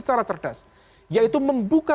secara cerdas yaitu membuka